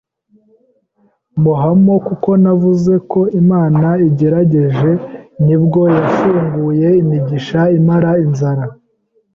muhamo kuko navuzeko Imana ingerageje, nibwo yafunguye imigisha imara inzara.